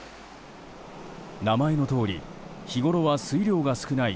名前のとおり日ごろは水量が少ない